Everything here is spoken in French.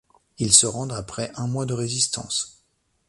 Ils se rendent après un mois de résistance.